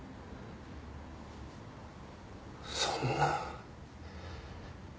そんな。